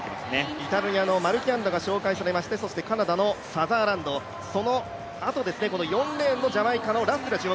イタリアのマルキアンドが紹介されましてそしてカナダのサザーランド、そのあとですね、４レーンのジャマイカのラッセル。